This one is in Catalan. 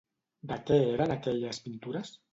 De què eren aquelles pintures?